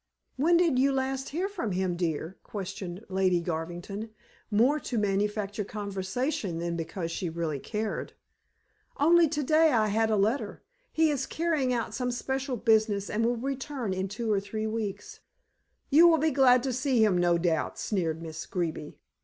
"When did you last hear from him, dear?" questioned Lady Garvington, more to manufacture conversation than because she really cared. "Only to day I had a letter. He is carrying out some special business and will return in two or three weeks." "You will be glad to see him, no doubt," sneered Miss Greeby.